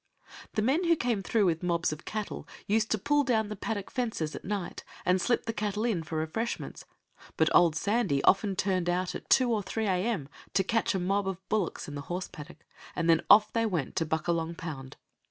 The men who came through with mobs of cattle used to pull down the paddock fences at night, and slip the cattle in for refreshments, but old Sandy often turned out at 2 or 3 a.m. to catch a mob of bullocks in the horse paddock, and then off they went to Buckalong pound.